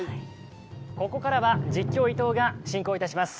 ここからは実況・伊東が進行いたします。